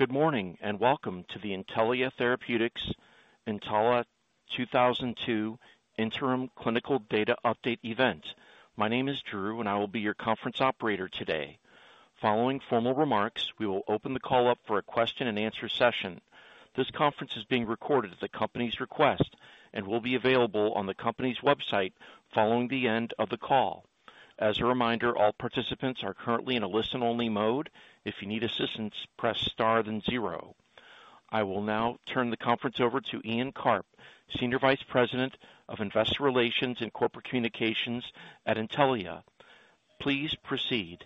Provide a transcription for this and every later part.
Good morning, welcome to the Intellia Therapeutics NTLA-2002 Interim Clinical Data Update event. My name is Drew, and I will be your conference operator today. Following formal remarks, we will open the call up for a question and answer session. This conference is being recorded at the company's request and will be available on the company's website following the end of the call. As a reminder, all participants are currently in a listen-only mode. If you need assistance, press star, then zero. I will now turn the conference over to Ian Karp, Senior Vice President of Investor Relations and Corporate Communications at Intellia. Please proceed.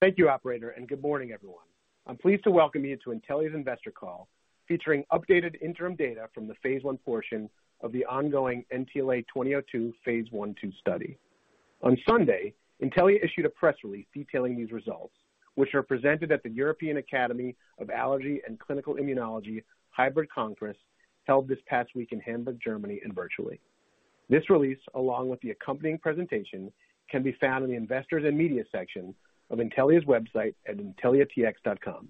Thank you, operator. Good morning, everyone. I'm pleased to welcome you to Intellia's investor call, featuring updated interim data from the phase I portion of the ongoing NTLA-2002 phase I/II study. On Sunday, Intellia issued a press release detailing these results, which are presented at the European Academy of Allergy and Clinical Immunology Hybrid Congress, held this past week in Hamburg, Germany, and virtually. This release, along with the accompanying presentation, can be found in the Investors and Media section of Intellia's website at intelliatx.com.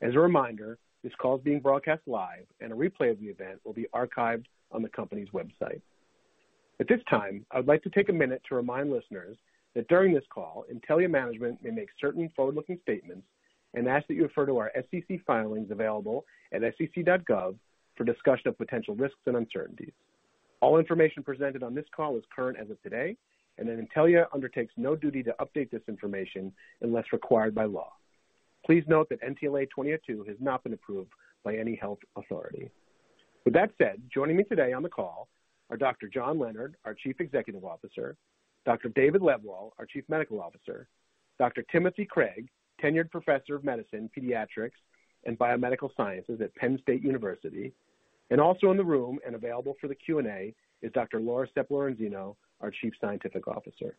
As a reminder, this call is being broadcast live. A replay of the event will be archived on the company's website. At this time, I would like to take a minute to remind listeners that during this call, Intellia management may make certain forward-looking statements and ask that you refer to our SEC filings available at sec.gov for discussion of potential risks and uncertainties. All information presented on this call is current as of today, and that Intellia undertakes no duty to update this information unless required by law. Please note that NTLA-2002 has not been approved by any health authority. With that said, joining me today on the call are Dr. John Leonard, our Chief Executive Officer; Dr. David Lebwohl, our Chief Medical Officer; Dr. Timothy Craig, Tenured Professor of Medicine, Pediatrics, and Biomedical Sciences at Penn State University, and also in the room and available for the Q&A is Dr. Laura Sepp-Lorenzino, our Chief Scientific Officer.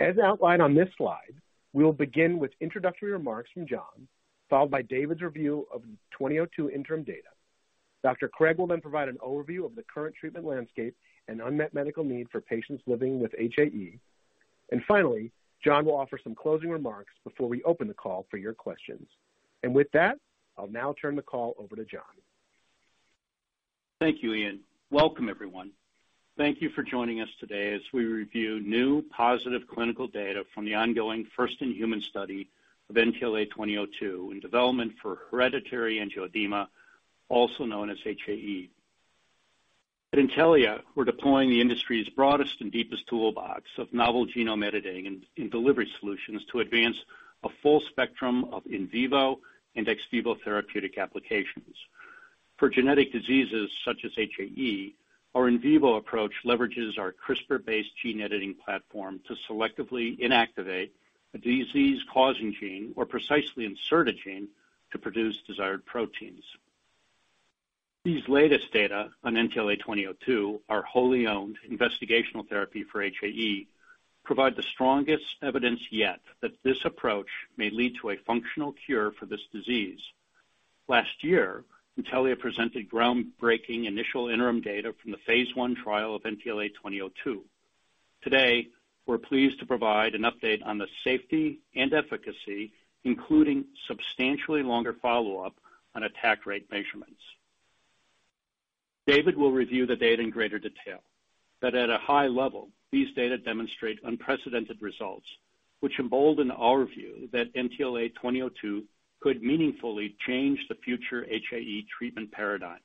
As outlined on this slide, we will begin with introductory remarks from John, followed by David's review of the NTLA-2002 interim data. Dr. Craig will provide an overview of the current treatment landscape and unmet medical need for patients living with HAE. Finally, John will offer some closing remarks before we open the call for your questions. With that, I'll now turn the call over to John. Thank you, Ian. Welcome, everyone. Thank you for joining us today as we review new positive clinical data from the ongoing first-in-human study of NTLA-2002 in development for hereditary angioedema, also known as HAE. At Intellia, we're deploying the industry's broadest and deepest toolbox of novel genome editing and delivery solutions to advance a full spectrum of in vivo and ex vivo therapeutic applications. For genetic diseases, such as HAE, our in vivo approach leverages our CRISPR-based gene editing platform to selectively inactivate a disease-causing gene or precisely insert a gene to produce desired proteins. These latest data on NTLA-2002, our wholly owned investigational therapy for HAE, provide the strongest evidence yet that this approach may lead to a functional cure for this disease. Last year, Intellia presented groundbreaking initial interim data from the phase I trial of NTLA-2002. Today, we're pleased to provide an update on the safety and efficacy, including substantially longer follow-up on attack rate measurements. David will review the data in greater detail that at a high level, these data demonstrate unprecedented results, which embolden our view that NTLA-2002 could meaningfully change the future HAE treatment paradigm.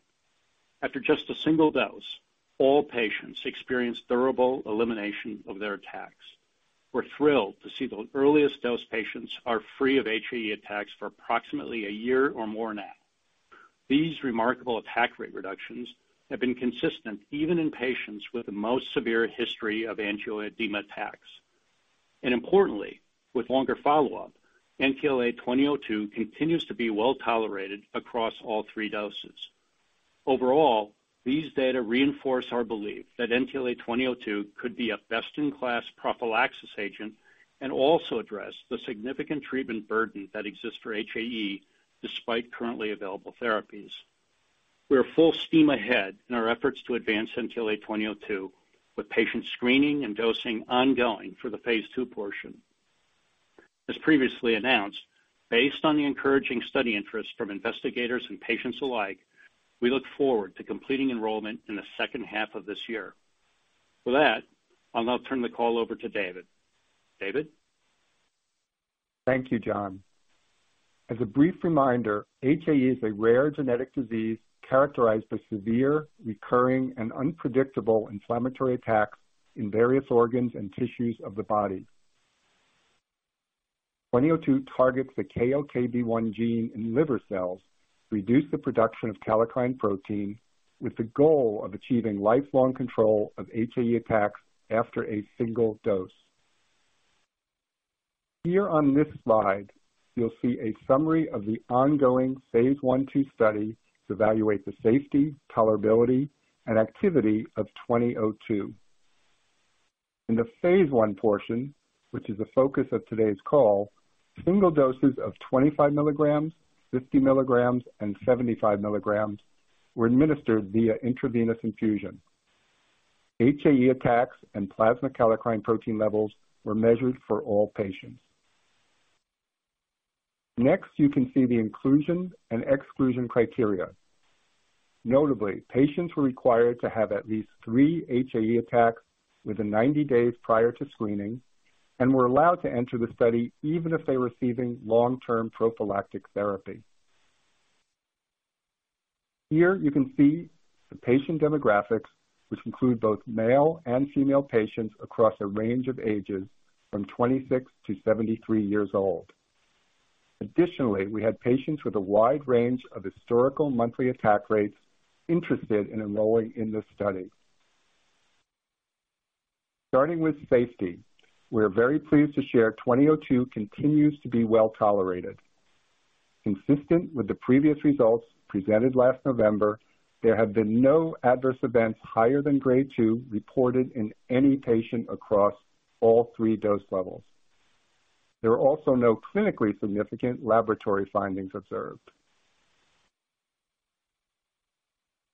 After just a single dose, all patients experienced durable elimination of their attacks. We're thrilled to see the earliest dose patients are free of HAE attacks for approximately a year or more now. These remarkable attack rate reductions have been consistent even in patients with the most severe history of angioedema attacks. Importantly, with longer follow-up, NTLA-2002 continues to be well tolerated across all three doses. Overall, these data reinforce our belief that NTLA-2002 could be a best-in-class prophylaxis agent and also address the significant treatment burden that exists for HAE, despite currently available therapies. We are full steam ahead in our efforts to advance NTLA-2002, with patient screening and dosing ongoing for the phase II portion. As previously announced, based on the encouraging study interest from investigators and patients alike, we look forward to completing enrollment in the second half of this year. With that, I'll now turn the call over to David. David? Thank you, John. As a brief reminder, HAE is a rare genetic disease characterized by severe, recurring, and unpredictable inflammatory attacks in various organs and tissues of the body. NTLA-2002 targets the KLKB1 gene in liver cells to reduce the production of kallikrein protein, with the goal of achieving lifelong control of HAE attacks after a single dose. Here on this slide, you'll see a summary of the ongoing phase I/II study to evaluate the safety, tolerability, and activity of NTLA-2002. In the phase I portion, which is the focus of today's call, single doses of 25 milligrams, 50 milligrams, and 75 milligrams-... were administered via intravenous infusion. HAE attacks and plasma kallikrein protein levels were measured for all patients. Next, you can see the inclusion and exclusion criteria. Notably, patients were required to have at least three HAE attacks within 90 days prior to screening and were allowed to enter the study even if they were receiving long-term prophylactic therapy. Here you can see the patient demographics, which include both male and female patients across a range of ages from 26 to 73 years old. Additionally, we had patients with a wide range of historical monthly attack rates interested in enrolling in this study. Starting with safety, we are very pleased to share NTLA-2002 continues to be well tolerated. Consistent with the previous results presented last November, there have been no adverse events higher than grade two reported in any patient across all three dose levels. There are also no clinically significant laboratory findings observed.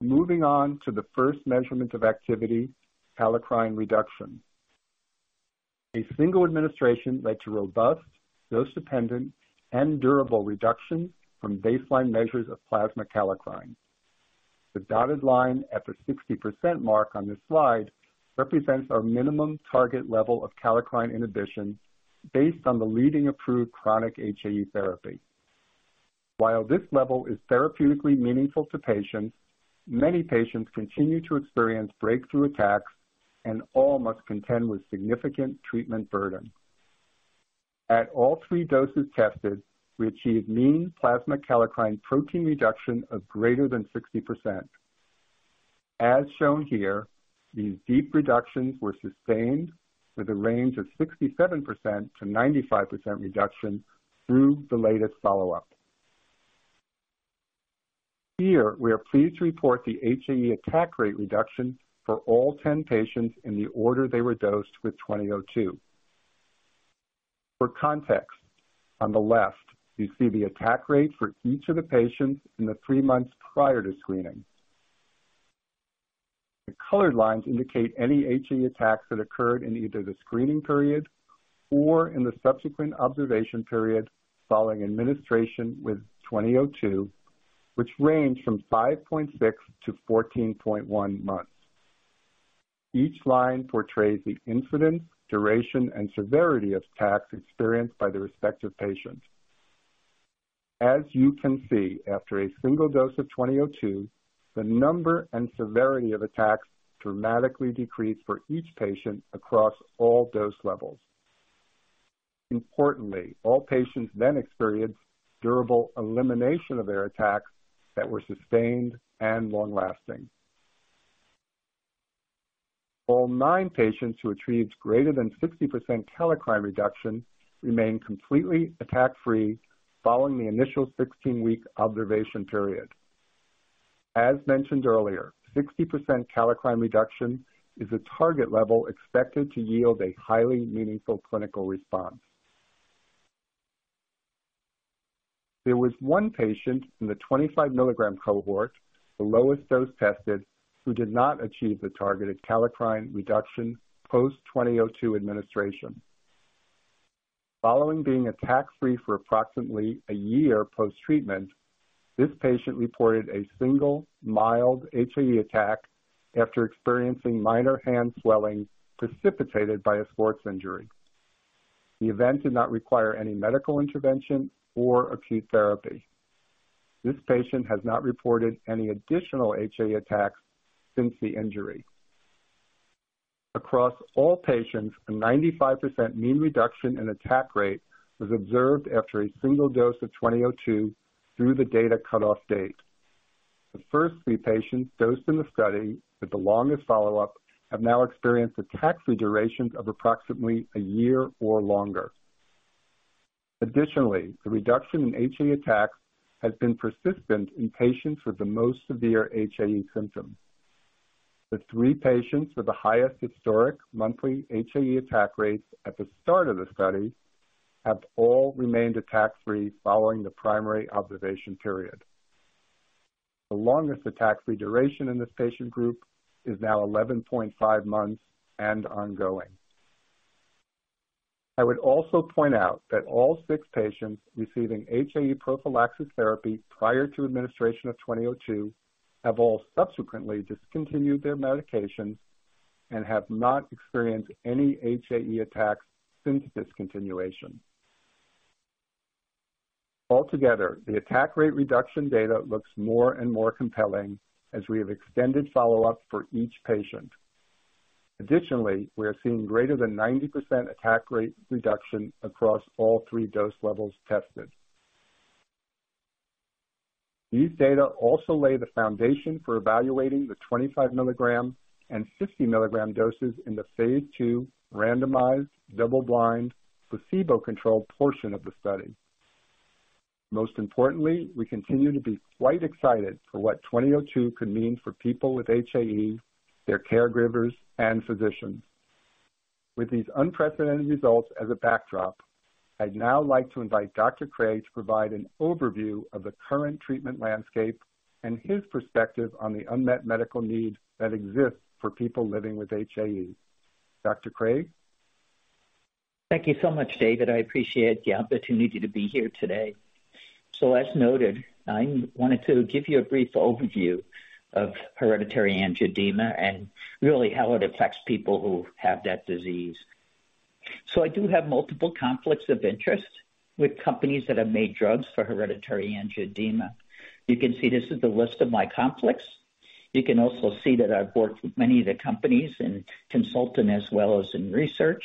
Moving on to the first measurement of activity, kallikrein reduction. A single administration led to robust, dose-dependent, and durable reduction from baseline measures of plasma kallikrein. The dotted line at the 60% mark on this slide represents our minimum target level of kallikrein inhibition based on the leading approved chronic HAE therapy. While this level is therapeutically meaningful to patients, many patients continue to experience breakthrough attacks, and all must contend with significant treatment burden. At all three doses tested, we achieved mean plasma kallikrein protein reduction of greater than 60%. As shown here, these deep reductions were sustained with a range of 67%-95% reduction through the latest follow-up. Here, we are pleased to report the HAE attack rate reduction for all 10 patients in the order they were dosed with NTLA-2002. For context, on the left, you see the attack rate for each of the patients in the three months prior to screening. The colored lines indicate any HAE attacks that occurred in either the screening period or in the subsequent observation period following administration with NTLA-2002, which ranged from 5.6-14.1 months. Each line portrays the incidence, duration, and severity of attacks experienced by the respective patients. As you can see, after a one dose of NTLA-2002, the number and severity of attacks dramatically decreased for each patient across all dose levels. Importantly, all patients then experienced durable elimination of their attacks that were sustained and long-lasting. All nine patients who achieved greater than 60% kallikrein reduction remained completely attack-free following the initial 16-week observation period. As mentioned earlier, 60% kallikrein reduction is a target level expected to yield a highly meaningful clinical response. There was one patient in the 25 milligram cohort, the lowest dose tested, who did not achieve the targeted kallikrein reduction post-NTLA-2002 administration. Following being attack-free for approximately a year post-treatment, this patient reported a single mild HAE attack after experiencing minor hand swelling precipitated by a sports injury. The event did not require any medical intervention or acute therapy. This patient has not reported any additional HAE attacks since the injury. Across all patients, a 95% mean reduction in attack rate was observed after a single dose of NTLA-2002 through the data cutoff date. The first three patients dosed in the study with the longest follow-up have now experienced attack-free durations of approximately a year or longer. Additionally, the reduction in HAE attacks has been persistent in patients with the most severe HAE symptoms. The three patients with the highest historic monthly HAE attack rates at the start of the study have all remained attack-free following the primary observation period. The longest attack-free duration in this patient group is now 11.5 months and ongoing. I would also point out that all six patients receiving HAE prophylaxis therapy prior to administration of NTLA-2002 have all subsequently discontinued their medications and have not experienced any HAE attacks since discontinuation. Altogether, the attack rate reduction data looks more and more compelling as we have extended follow-up for each patient. Additionally, we are seeing greater than 90% attack rate reduction across all three dose levels tested. These data also lay the foundation for evaluating the 25 mg and 50 mg doses in the phase II randomized, double-blind, placebo-controlled portion of the study. Most importantly, we continue to be quite excited for what NTLA-2002 could mean for people with HAE, their caregivers, and physicians. With these unprecedented results as a backdrop, I'd now like to invite Dr. Craig to provide an overview of the current treatment landscape and his perspective on the unmet medical needs that exist for people living with HAE. Dr. Craig? Thank you so much, David. I appreciate the opportunity to be here today. As noted, I wanted to give you a brief overview of hereditary angioedema and really how it affects people who have that disease. I do have multiple conflicts of interest with companies that have made drugs for hereditary angioedema. You can see this is the list of my conflicts. You can also see that I've worked with many of the companies in consulting as well as in research.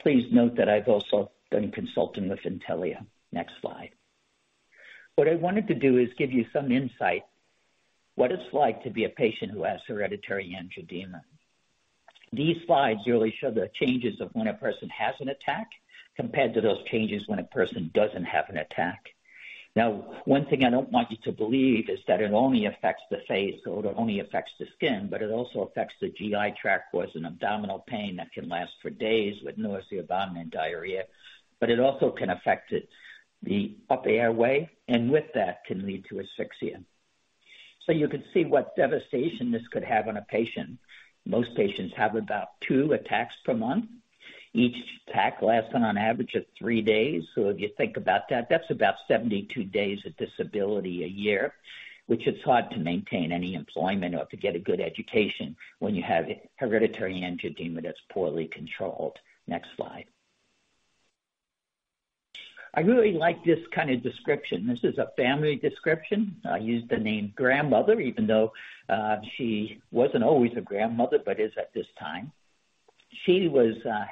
Please note that I've also done consulting with Intellia. Next slide. What I wanted to do is give you some insight, what it's like to be a patient who has hereditary angioedema. These slides really show the changes of when a person has an attack compared to those changes when a person doesn't have an attack. One thing I don't want you to believe is that it only affects the face or it only affects the skin, it also affects the GI tract, whereas an abdominal pain that can last for days with nausea, abdomen, diarrhea, it also can affect the upper airway, and with that can lead to asphyxia. You can see what devastation this could have on a patient. Most patients have about two attacks per month, each attack lasting on average of three days. If you think about that's about 72 days of disability a year, which it's hard to maintain any employment or to get a good education when you have hereditary angioedema that's poorly controlled. Next slide. I really like this kind of description. This is a family description. I use the name grandmother, even though she wasn't always a grandmother, but is at this time. She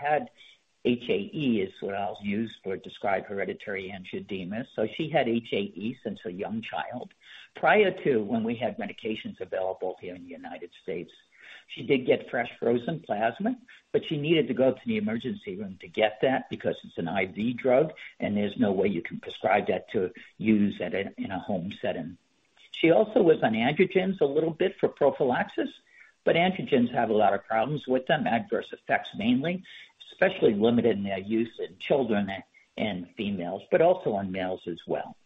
had HAE, is what I'll use for describe hereditary angioedema. She had HAE since a young child. Prior to when we had medications available here in the United States, she did get fresh frozen plasma, but she needed to go to the emergency room to get that because it's an IV drug, and there's no way you can prescribe that to use in a home setting. She also was on androgens a little bit for prophylaxis, but androgens have a lot of problems with them, adverse effects mainly, especially limited in their use in children and females, but also on males as well.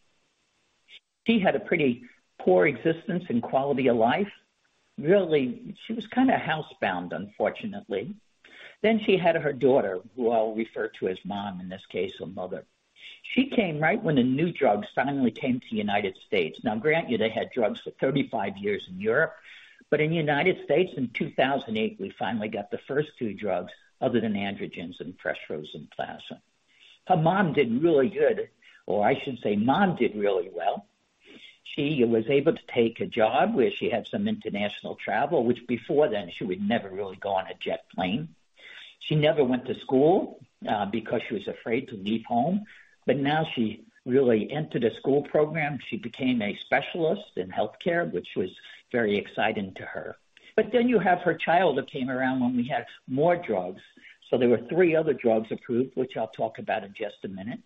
She had a pretty poor existence and quality of life. Really, she was kind of housebound, unfortunately. She had her daughter, who I'll refer to as mom, in this case, her mother. She came right when a new drug finally came to the United States. Grant you, they had drugs for 35 years in Europe, but in the United States, in 2008, we finally got the first two drugs other than androgens and fresh frozen plasma. Her mom did really good, or I should say, mom did really well. She was able to take a job where she had some international travel, which before then, she would never really go on a jet plane. She never went to school because she was afraid to leave home, but now she really entered a school program. She became a specialist in healthcare, which was very exciting to her. You have her child that came around when we had more drugs. There were three other drugs approved, which I'll talk about in just a minute.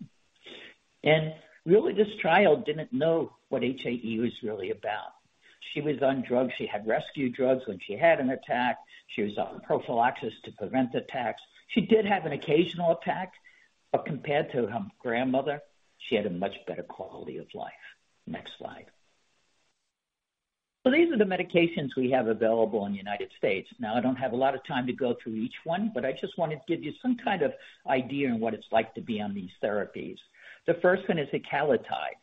Really, this child didn't know what HAE was really about. She was on drugs. She had rescue drugs when she had an attack. She was on prophylaxis to prevent attacks. She did have an occasional attack, but compared to her grandmother, she had a much better quality of life. Next slide. These are the medications we have available in the United States. Now, I don't have a lot of time to go through each one, but I just wanted to give you some kind of idea on what it's like to be on these therapies. The first one is ecallantide.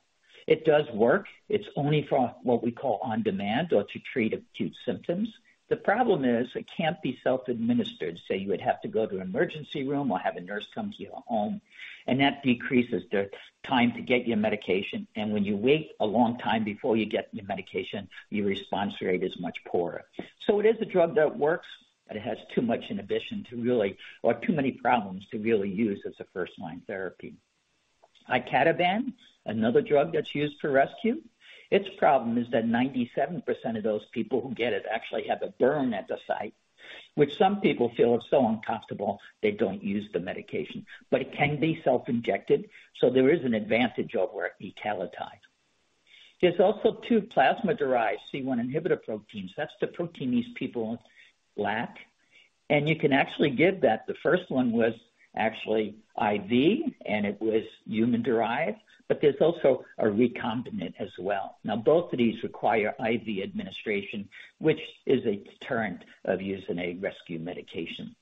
It does work. It's only for what we call on-demand or to treat acute symptoms. The problem is it can't be self-administered, so you would have to go to an emergency room or have a nurse come to your home, and that decreases the time to get your medication. When you wait a long time before you get the medication, your response rate is much poorer. It is a drug that works, but it has too much inhibition to really or too many problems to really use as a first-line therapy. icatibant, another drug that's used for rescue. Its problem is that 97% of those people who get it actually have a burn at the site, which some people feel is so uncomfortable, they don't use the medication. It can be self-injected, so there is an advantage over ecallantide. There's also two plasma-derived C1 inhibitor proteins. That's the protein these people lack, and you can actually give that. The first one was actually IV, and it was human-derived, but there's also a recombinant as well. Both of these require IV administration, which is a deterrent of using a rescue medication.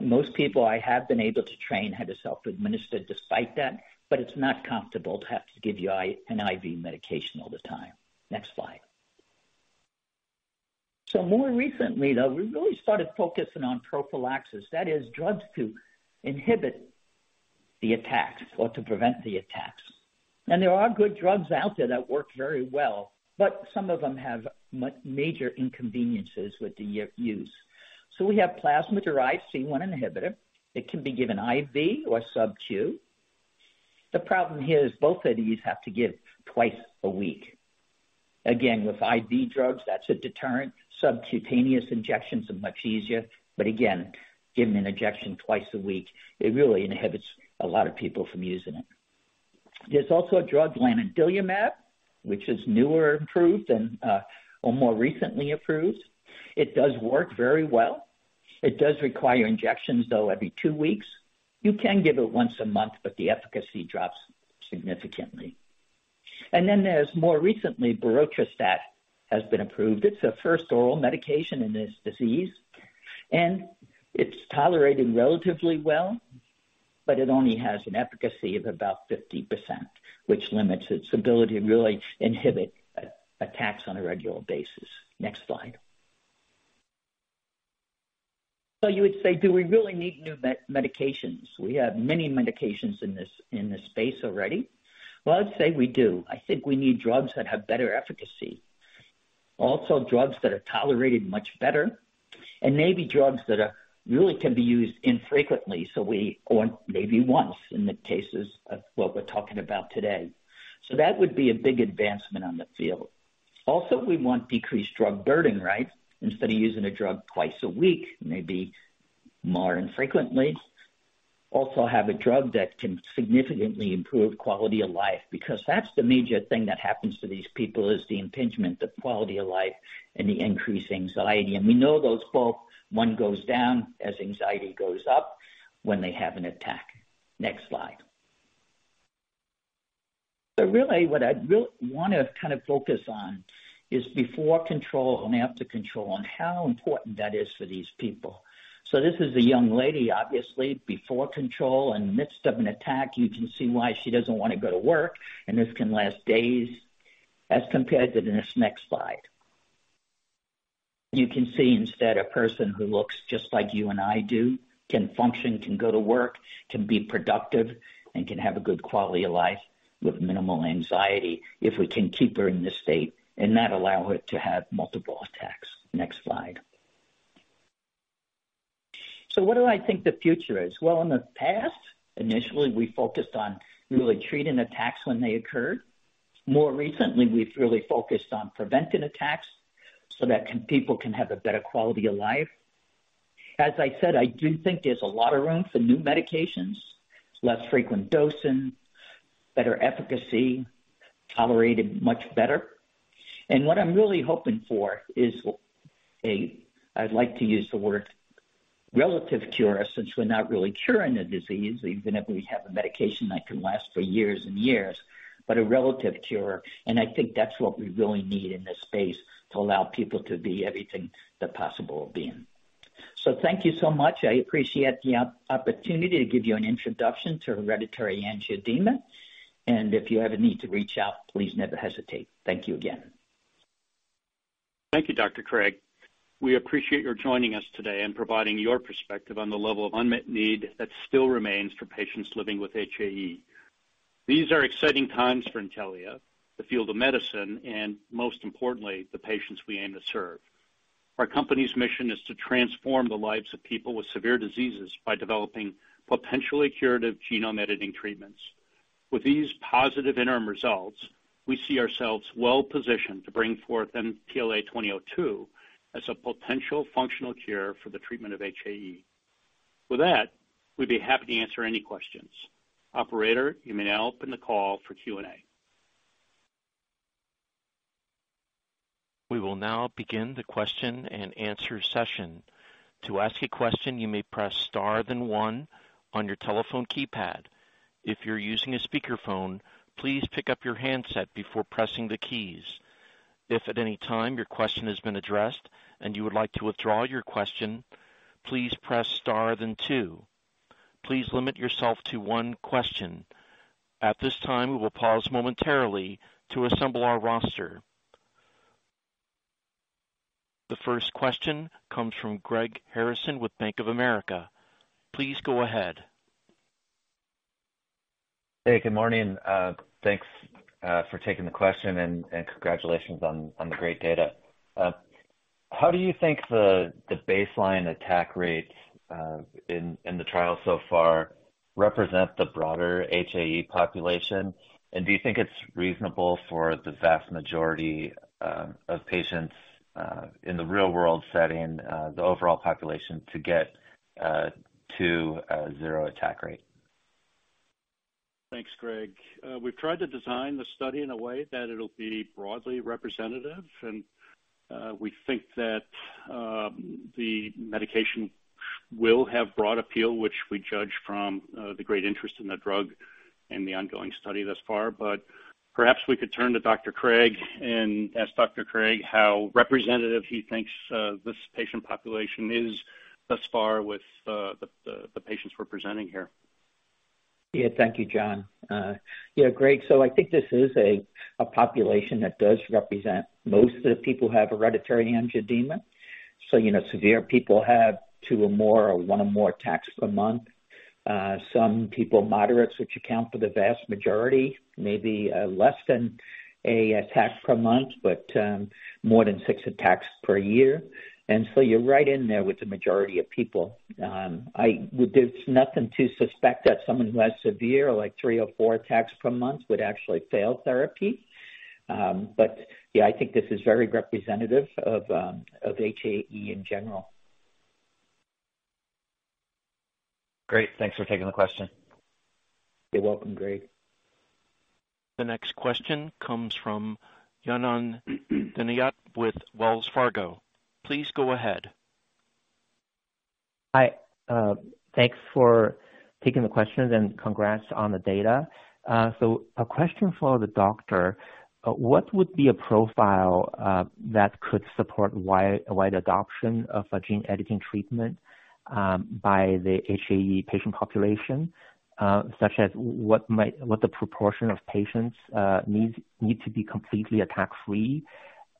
Most people I have been able to train how to self-administer despite that, but it's not comfortable to have to give you an IV medication all the time. Next slide. More recently, though, we really started focusing on prophylaxis. That is, drugs to inhibit the attacks or to prevent the attacks. There are good drugs out there that work very well, but some of them have major inconveniences with the use. We have plasma-derived C1 inhibitor. It can be given IV or sub-Q. The problem here is both of these have to give twice a week. Again, with IV drugs, that's a deterrent. Subcutaneous injections are much easier, but again, giving an injection twice a week, it really inhibits a lot of people from using it. There's also a drug, lanadelumab, which is more recently approved. It does work very well. It does require injections, though, every two weeks. You can give it once a month, but the efficacy drops significantly. More recently, berotralstat has been approved. It's the first oral medication in this disease, and it's tolerating relatively well, but it only has an efficacy of about 50%, which limits its ability to really inhibit attacks on a regular basis. Next slide. You would say, do we really need new medications? We have many medications in this space already. Well, I'd say we do. I think we need drugs that have better efficacy. Drugs that are tolerated much better, and maybe drugs that really can be used infrequently, we want maybe once in the cases of what we're talking about today. That would be a big advancement on the field. We want decreased drug burden, right? Instead of using a drug twice a week, maybe more infrequently. Have a drug that can significantly improve quality of life, because that's the major thing that happens to these people, is the impingement of quality of life and the increased anxiety. We know those both, one goes down as anxiety goes up when they have an attack. Next slide. Really, what I really want to kind of focus on is before control and after control, on how important that is for these people. This is a young lady, obviously, before control. In the midst of an attack, you can see why she doesn't want to go to work, and this can last days, as compared to this next slide. You can see instead, a person who looks just like you and I do, can function, can go to work, can be productive, and can have a good quality of life with minimal anxiety, if we can keep her in this state and not allow her to have multiple attacks. Next slide. What do I think the future is? Well, in the past, initially, we focused on really treating attacks when they occurred. More recently, we've really focused on preventing attacks so that people can have a better quality of life. As I said, I do think there's a lot of room for new medications, less frequent dosing, better efficacy, tolerated much better. What I'm really hoping for is a, I'd like to use the word relative cure, since we're not really curing the disease, even if we have a medication that can last for years and years, but a relative cure. I think that's what we really need in this space to allow people to be everything that possible of being. Thank you so much. I appreciate the opportunity to give you an introduction to hereditary angioedema, and if you ever need to reach out, please never hesitate. Thank you again. Thank you, Dr. Craig. We appreciate your joining us today and providing your perspective on the level of unmet need that still remains for patients living with HAE. These are exciting times for Intellia, the field of medicine, and most importantly, the patients we aim to serve. Our company's mission is to transform the lives of people with severe diseases by developing potentially curative genome editing treatments. With these positive interim results, we see ourselves well positioned to bring forth NTLA-2002 as a potential functional cure for the treatment of HAE. With that, we'd be happy to answer any questions. Operator, you may now open the call for Q&A. We will now begin the question and answer session. To ask a question, you may press star, then one on your telephone keypad. If you're using a speakerphone, please pick up your handset before pressing the keys. If at any time your question has been addressed and you would like to withdraw your question, please press star then two. Please limit yourself to 1 question. At this time, we will pause momentarily to assemble our roster. The first question comes from Greg Harrison with Bank of America. Please go ahead. Hey, good morning. Thanks for taking the question and congratulations on the great data. How do you think the baseline attack rates in the trial so far represent the broader HAE population? Do you think it's reasonable for the vast majority of patients in the real-world setting, the overall population to get to a zero attack rate? Thanks, Greg. We've tried to design the study in a way that it'll be broadly representative, and we think that the medication will have broad appeal, which we judge from the great interest in the drug and the ongoing study thus far. Perhaps we could turn to Dr. Craig and ask Dr. Craig how representative he thinks this patient population is thus far with the patients we're presenting here. Thank you, John. Greg, I think this is a population that does represent most of the people who have hereditary angioedema. you know, severe people have two or more or one or more attacks per month. some people, moderates, which account for the vast majority, maybe, less than a attack per month, more than 6 attacks per year. you're right in there with the majority of people. there's nothing to suspect that someone who has severe, like, three or four attacks per month, would actually fail therapy. I think this is very representative of HAE in general. Great. Thanks for taking the question. You're welcome, Greg. The next question comes from Yanan Zhu with Wells Fargo. Please go ahead. Hi, thanks for taking the questions, and congrats on the data. A question for the doctor: What would be a profile that could support wide adoption of a gene editing treatment by the HAE patient population? Such as what the proportion of patients need to be completely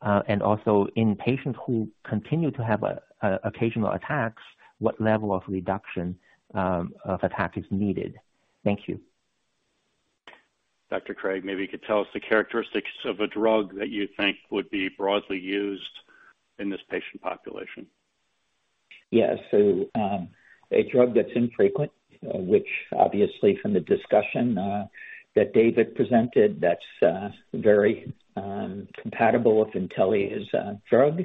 attack-free. Also in patients who continue to have occasional attacks, what level of reduction of attack is needed? Thank you. Dr. Craig, maybe you could tell us the characteristics of a drug that you think would be broadly used in this patient population. A drug that's infrequent, which obviously from the discussion that David presented, that's very compatible with Intellia's drug.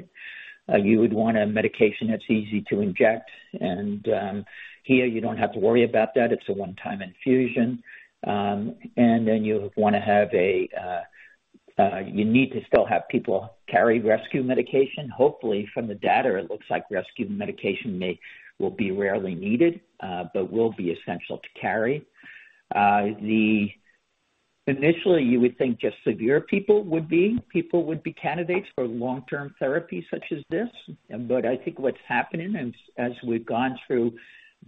You would want a medication that's easy to inject, and here, you don't have to worry about that. It's a one-time infusion. And then you need to still have people carry rescue medication. Hopefully, from the data, it looks like rescue medication may, will be rarely needed, but will be essential to carry. Initially, you would think just severe people would be candidates for long-term therapy such as this. I think what's happening as we've gone through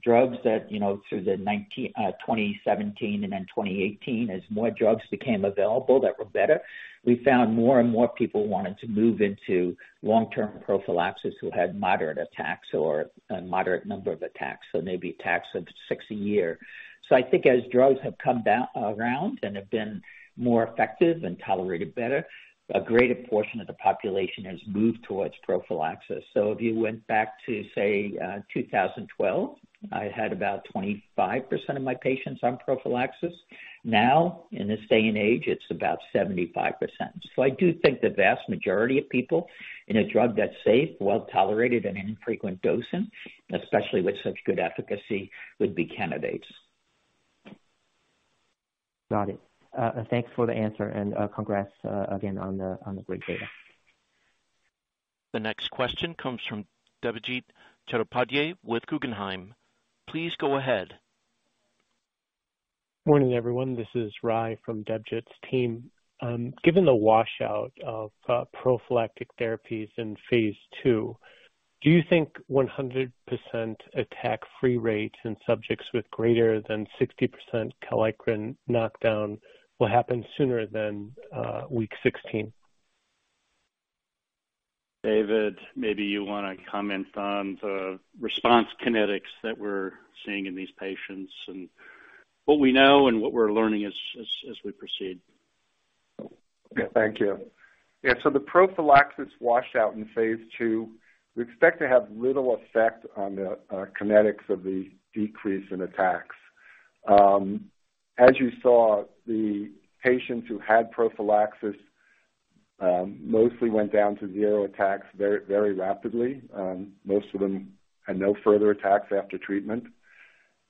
drugs that, you know, through 2017 and then 2018, as more drugs became available that were better, we found more and more people wanted to move into long-term prophylaxis who had moderate attacks or a moderate number of attacks, so maybe attacks of 6 a year. I think as drugs have come down around and have been more effective and tolerated better, a greater portion of the population has moved towards prophylaxis. If you went back to, say, 2012, I had about 25% of my patients on prophylaxis. Now, in this day and age, it's about 75%. I do think the vast majority of people in a drug that's safe, well-tolerated, and infrequent dosing, especially with such good efficacy, would be candidates. Got it. Thanks for the answer, congrats again on the great data. The next question comes from Debjit Chattopadhyay with Guggenheim. Please go ahead. Morning, everyone. This is Ry from Debjit's team. Given the washout of prophylactic therapies in phase two, do you think 100% attack-free rates in subjects with greater than 60% kallikrein knockdown will happen sooner than week 16? David, maybe you want to comment on the response kinetics that we're seeing in these patients and what we know and what we're learning as we proceed. Thank you. Yeah, the prophylaxis washout in phase II, we expect to have little effect on the kinetics of the decrease in attacks. As you saw, the patients who had prophylaxis mostly went down to zero attacks very, very rapidly. Most of them had no further attacks after treatment.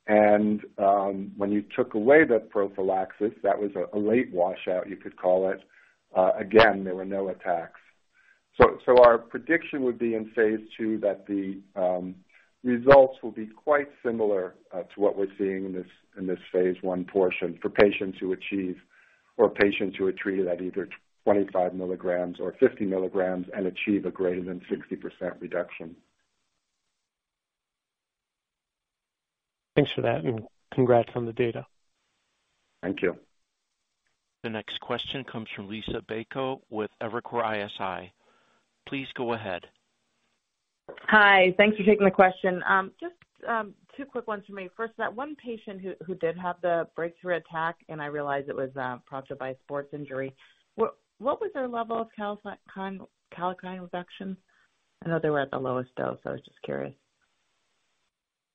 When you took away the prophylaxis, that was a late washout, you could call it. Again, there were no attacks. Our prediction would be in phase II, that the results will be quite similar to what we're seeing in this phase I portion for patients who achieve or patients who are treated at either 25 milligrams or 50 milligrams and achieve a greater than 60% reduction. Thanks for that, and congrats on the data. Thank you. The next question comes from Liisa Bayko with Evercore ISI. Please go ahead. Hi, thanks for taking the question. Just, two quick ones for me. First, that one patient who did have the breakthrough attack, and I realize it was, prompted by a sports injury. What was their level of kallikrein reduction? I know they were at the lowest dose. I was just curious.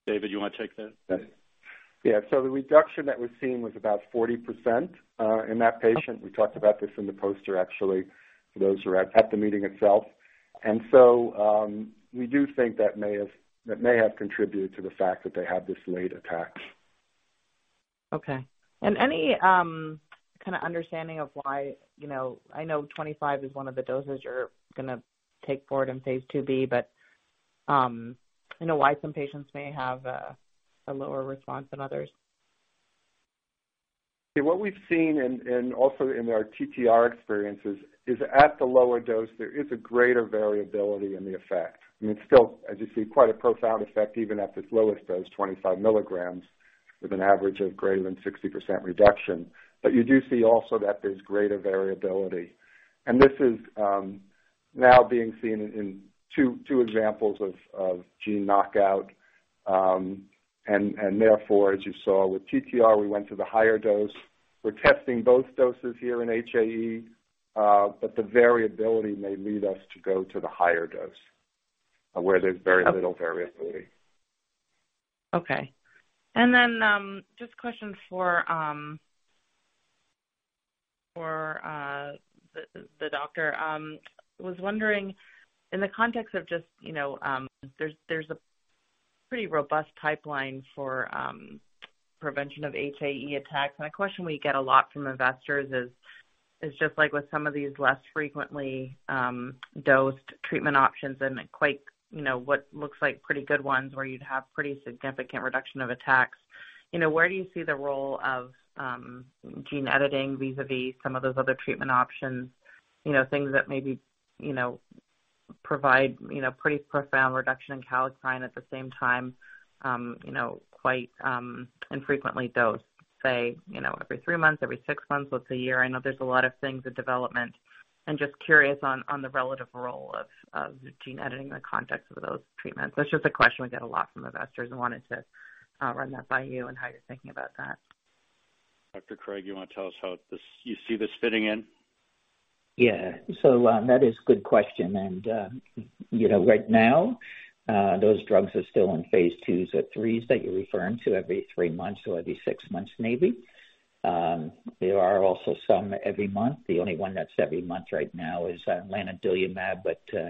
David, you want to take that? Yeah. The reduction that we're seeing was about 40% in that patient. We talked about this in the poster, actually, for those who were at the meeting itself. We do think that may have contributed to the fact that they had this late attack. Okay. Any kind of understanding of why, you know, I know 25 is one of the doses you're gonna take forward in phase II-B, but, you know, why some patients may have a lower response than others? What we've seen in also in our TTR experiences is at the lower dose, there is a greater variability in the effect. I mean, still, as you see, quite a profound effect, even at this lowest dose, 25 milligrams, with an average of greater than 60% reduction. You do see also that there's greater variability. This is now being seen in two examples of gene knockout. Therefore, as you saw with TTR, we went to the higher dose. We're testing both doses here in HAE, the variability may lead us to go to the higher dose, where there's very little variability. Okay. Just a question for the doctor. Was wondering, in the context of just, you know, there's a pretty robust pipeline for prevention of HAE attacks. A question we get a lot from investors is just like with some of these less frequently dosed treatment options and quite, you know, what looks like pretty good ones, where you'd have pretty significant reduction of attacks. You know, where do you see the role of gene editing, vis-a-vis some of those other treatment options? You know, things that maybe, you know, provide, you know, pretty profound reduction in kallikrein at the same time, you know, quite infrequently dosed, say, you know, every three months, every six months, once a year. I know there's a lot of things in development, I'm just curious on the relative role of gene editing in the context of those treatments. That's just a question we get a lot from investors and wanted to run that by you and how you're thinking about that. Dr. Craig, you wanna tell us how this, you see this fitting in? Yeah. That is a good question. you know, right now, those drugs are still in phase IIs or IIIs that you're referring to every three months or every six months, maybe. There are also some every month. The only one that's every month right now is lanadelumab,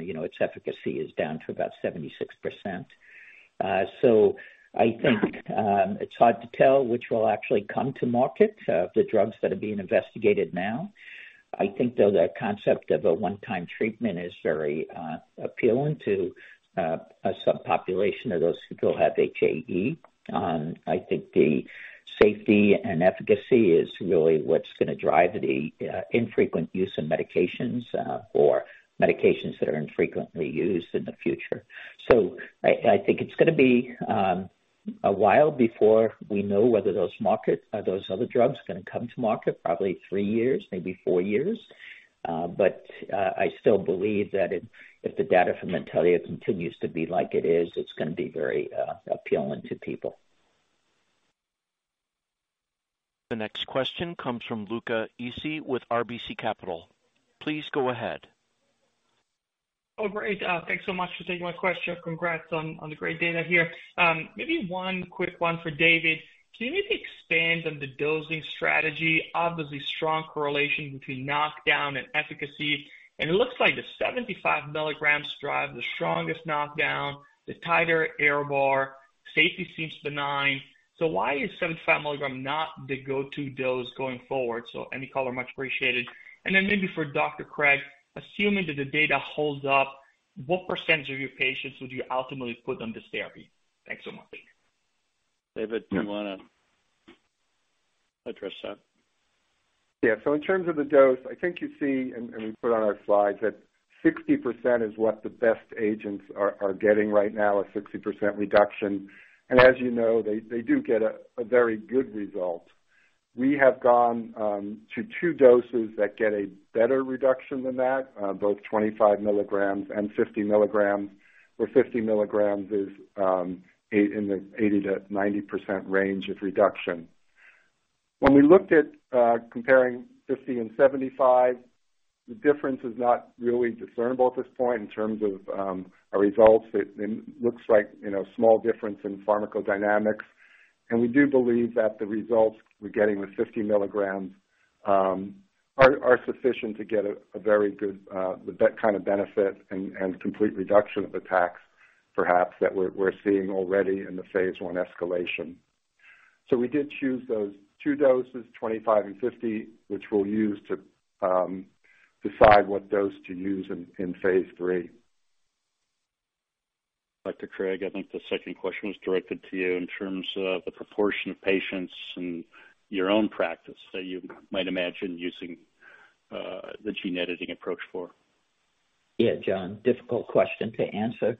you know, its efficacy is down to about 76%. I think it's hard to tell which will actually come to market, the drugs that are being investigated now. I think, though, the concept of a one-time treatment is very appealing to a subpopulation of those who still have HAE. I think the safety and efficacy is really what's gonna drive the infrequent use of medications, or medications that are infrequently used in the future. I think it's gonna be a while before we know. Those other drugs are gonna come to market, probably three years, maybe four years. I still believe that if the data from NTLA-2002 continues to be like it is, it's gonna be very appealing to people. The next question comes from Luca Issi with RBC Capital. Please go ahead. Great. Thanks so much for taking my question. Congrats on the great data here. Maybe one quick one for David. Can you maybe expand on the dosing strategy? Obviously, strong correlation between knockdown and efficacy. It looks like the 75 milligrams drive the strongest knockdown, the tighter error bar, safety seems benign. Why is 75 milligrams not the go-to dose going forward? Any color, much appreciated. Maybe for Dr. Craig, assuming that the data holds up, what percentage of your patients would you ultimately put on this therapy? Thanks so much. David, do you wanna address that? Yeah. In terms of the dose, I think you see, and we put on our slides, that 60% is what the best agents are getting right now, a 60% reduction. As you know, they do get a very good result. We have gone to two doses that get a better reduction than that, both 25 milligrams and 50 milligrams, where 50 milligrams is in the 80%-90% range of reduction. We looked at comparing 50 and 75, the difference is not really discernible at this point in terms of our results. It looks like, you know, small difference in pharmacodynamics. We do believe that the results we're getting with 50 milligrams are sufficient to get a very good, the kind of benefit and complete reduction of attacks, perhaps, that we're seeing already in the phase I escalation. We did choose those two doses, 25 and 50, which we'll use to decide what dose to use in phase III. Dr. Craig, I think the second question was directed to you in terms of the proportion of patients in your own practice that you might imagine using the gene-editing approach for. Yeah, John, difficult question to answer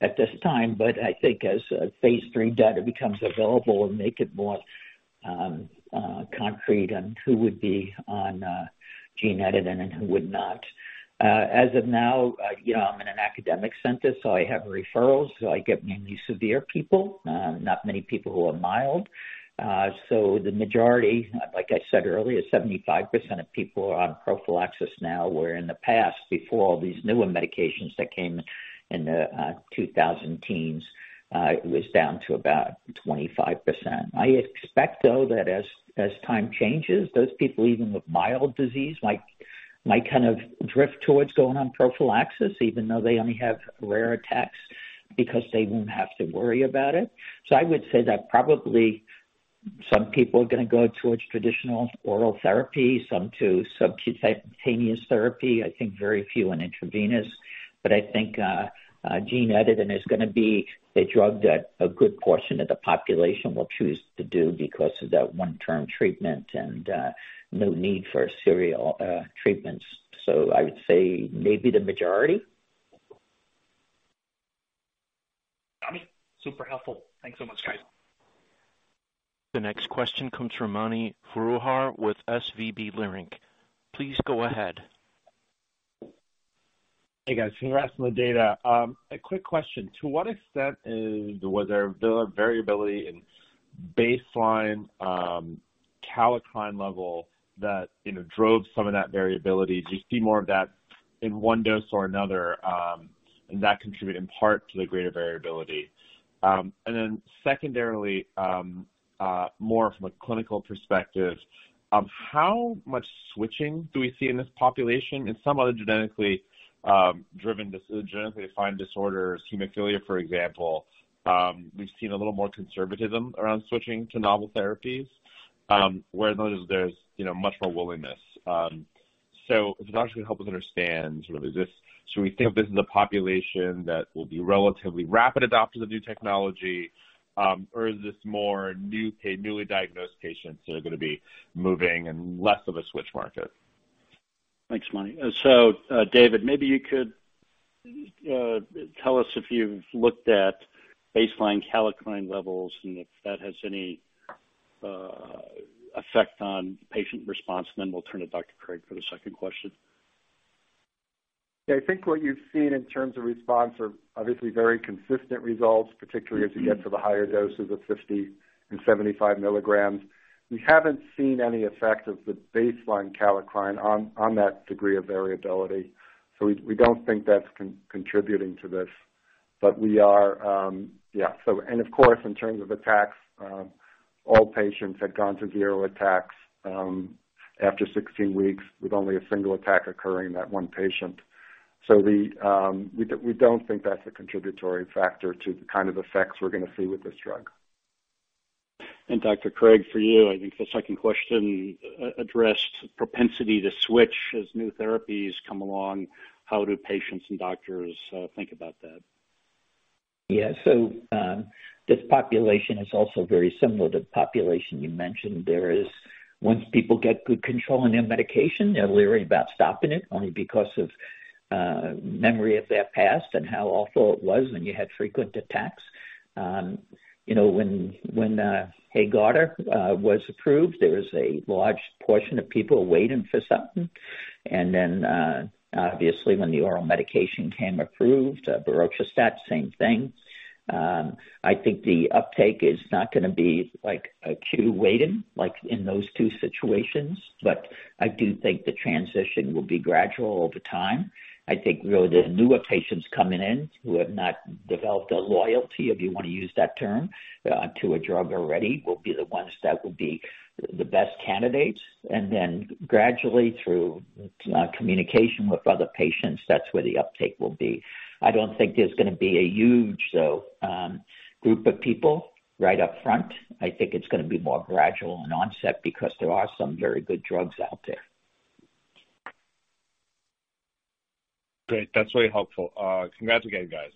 at this time, but I think as phase III data becomes available and make it more concrete on who would be on gene editing and who would not. As of now, you know, I'm in an academic center, so I have referrals, so I get mainly severe people, not many people who are mild. The majority, like I said earlier, 75% of people are on prophylaxis now, where in the past, before all these newer medications that came in the 2000s, it was down to about 25%. I expect, though, that as time changes, those people, even with mild disease, might kind of drift towards going on prophylaxis, even though they only have rare attacks, because they won't have to worry about it. I would say that probably some people are gonna go towards traditional oral therapy, some to subcutaneous therapy. I think very few in intravenous. I think gene editing is gonna be a drug that a good portion of the population will choose to do because of that one-term treatment and no need for serial treatments. I would say maybe the majority? Got it. Super helpful. Thanks so much, guys. The next question comes from Mani Foroohar with SVB Leerink. Please go ahead. Hey, guys. Congrats on the data. A quick question: To what extent was there variability in baseline kallikrein level that, you know, drove some of that variability? Do you see more of that-... in one dose or another, that contribute in part to the greater variability. Secondarily, more from a clinical perspective, how much switching do we see in this population? In some other genetically, driven genetically defined disorders, hemophilia, for example, we've seen a little more conservatism around switching to novel therapies, where notice there's, you know, much more willingness. If you can actually help us understand, sort of, is this, should we think of this as a population that will be relatively rapid adopters of new technology, or is this more new, newly diagnosed patients who are gonna be moving and less of a switch market? Thanks, Mani. David, maybe you could tell us if you've looked at baseline kallikrein levels and if that has any effect on patient response. We'll turn to Dr. Craig for the second question. Yeah, I think what you've seen in terms of response are obviously very consistent results, particularly as you get to the higher doses of 50 and 75 milligrams. We haven't seen any effect of the baseline kallikrein on that degree of variability, we don't think that's contributing to this. We are, yeah. Of course, in terms of attacks, all patients had gone to zero attacks after 16 weeks, with only a one attack occurring in that one patient. We don't think that's a contributory factor to the kind of effects we're gonna see with this drug. Dr. Craig, for you, I think the second question, addressed propensity to switch as new therapies come along. How do patients and doctors think about that? Yeah. This population is also very similar to the population you mentioned. There is, once people get good control on their medication, they're leery about stopping it, only because of memory of their past and how awful it was when you had frequent attacks. You know, when Haegarda was approved, there was a large portion of people waiting for something. Obviously, when the oral medication came approved, berotralstat, same thing. I think the uptake is not gonna be like acute waiting, like in those two situations, but I do think the transition will be gradual over time. I think really the newer patients coming in, who have not developed a loyalty, if you want to use that term, to a drug already, will be the ones that will be the best candidates. Gradually, through communication with other patients, that's where the uptake will be. I don't think there's gonna be a huge group of people right up front. I think it's gonna be more gradual in onset because there are some very good drugs out there. Great. That's very helpful. Congrats again, guys.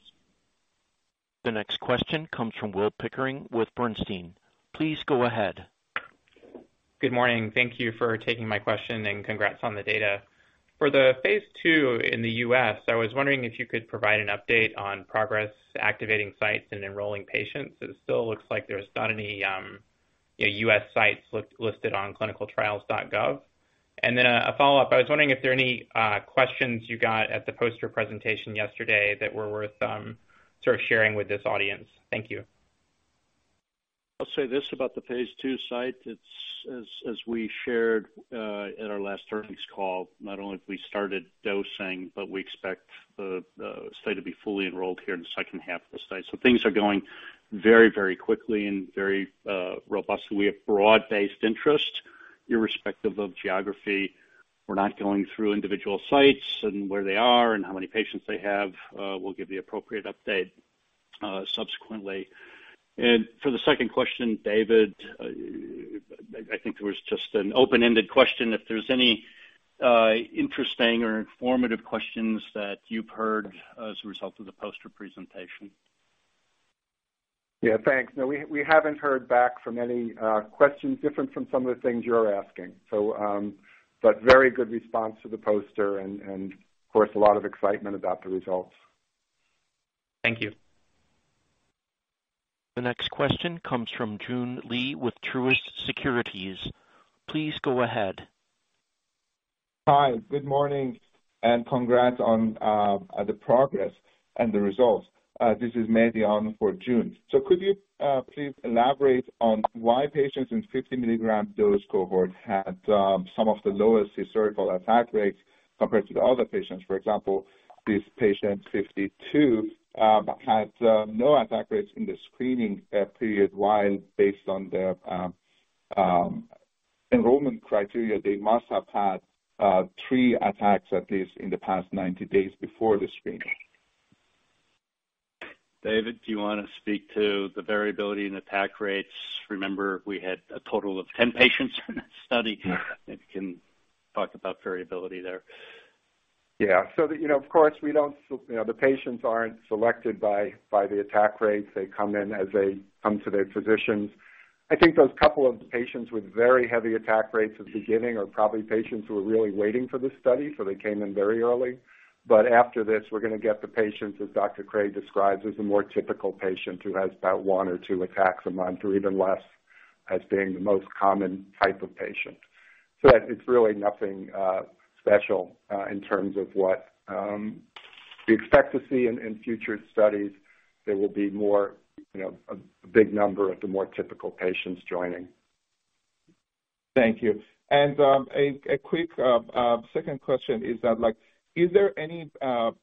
The next question comes from Will Pickering with Bernstein. Please go ahead. Good morning. Thank you for taking my question, and congrats on the data. For the phase II in the U.S., I was wondering if you could provide an update on progress to activating sites and enrolling patients. It still looks like there's not any, you know, U.S. sites listed on ClinicalTrials.gov. A follow-up, I was wondering if there are any questions you got at the poster presentation yesterday that were worth sort of sharing with this audience. Thank you. I'll say this about the phase two site. It's as we shared at our last earnings call, not only have we started dosing, but we expect the study to be fully enrolled here in the second half of the study. Things are going very, very quickly and very robustly. We have broad-based interest, irrespective of geography. We're not going through individual sites and where they are and how many patients they have. We'll give the appropriate update subsequently. For the second question, David, I think there was just an open-ended question, if there's any interesting or informative questions that you've heard as a result of the poster presentation. Yeah, thanks. No, we haven't heard back from any questions different from some of the things you're asking. Very good response to the poster and of course, a lot of excitement about the results. Thank you. The next question comes from Joon Lee with Truist Securities. Please go ahead. Hi, good morning. Congrats on the progress and the results. This is Mandy on for Joon. Could you please elaborate on why patients in 50 milligrams dose cohort had some of the lowest historical attack rates compared to the other patients? For example, this patient 52 had no attack rates in the screening period, while based on the enrollment criteria, they must have had three attacks, at least, in the past 90 days before the screening. David, do you wanna speak to the variability in attack rates? Remember, we had a total of 10 patients in that study. You can talk about variability there. Yeah. You know, of course, we don't. You know, the patients aren't selected by the attack rates. They come in as they come to their physicians. I think those couple of patients with very heavy attack rates at the beginning are probably patients who are really waiting for this study, so they came in very early. After this, we're gonna get the patients, as Dr. Craig describes, as a more typical patient who has about one or two attacks a month, or even less, as being the most common type of patient. It's really nothing special in terms of what we expect to see in future studies. There will be more, you know, a big number of the more typical patients joining. Thank you. A quick second question is that, like, is there any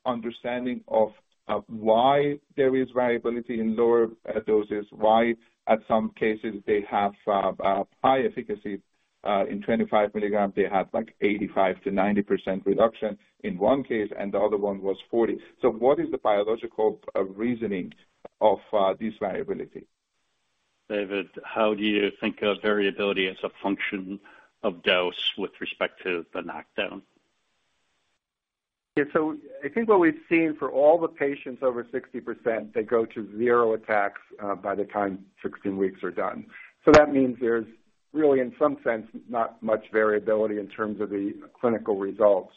understanding of why there is variability in lower doses? Why, at some cases, they have a high efficacy, in 25 milligrams, they have, like, 85%-90% reduction in one case, and the other one was 40%. What is the biological reasoning of this variability? David, how do you think of variability as a function of dose with respect to the knockdown? Yeah. I think what we've seen for all the patients over 60%, they go to zero attacks by the time 16 weeks are done. That means there's really, in some sense, not much variability in terms of the clinical results.